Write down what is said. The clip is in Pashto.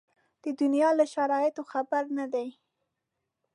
د دنیا له شرایطو خبر نه دي.